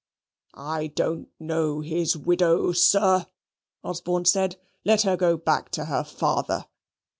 "I don't know his widow, sir," Osborne said. "Let her go back to her father."